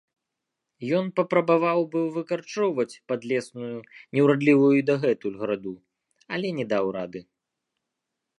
Ён папрабаваў быў выкарчоўваць падлесную неўрадлівую і дагэтуль граду, але не даў рады.